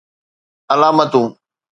علامتون